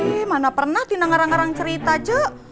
ih mana pernah tina ngarang ngarang cerita cu